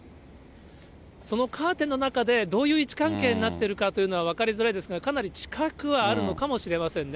そのカーテンの中で、どういう位置関係になっているかというのは分かりづらいですが、かなり近くはあるのかもしれませんね。